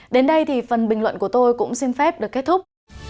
đến đây thì phần bình luận của tôi cũng xin phép được kết thúc